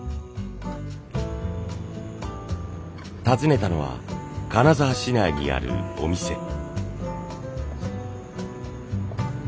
訪ねたのは金沢市内にあるお店。